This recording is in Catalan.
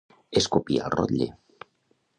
Escopir al rotlle.